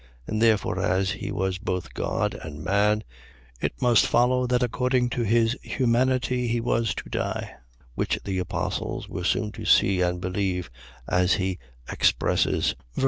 And therefore as he was both God and man, it must follow that according to his humanity he was to die, which the apostles were soon to see and believe, as he expresses, ver.